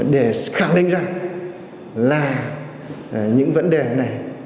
để khẳng định ra là những vấn đề này